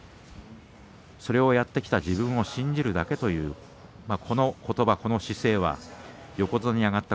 それをやってきた自分を信じるだけというこのことば、この姿勢は横綱に上がった